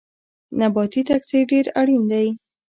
نباتي تکثیر ډیر اړین دی